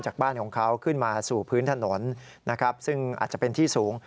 บ้านของเขาขึ้นมาสู่พื้นถนนนะครับซึ่งอาจจะเป็นที่สูง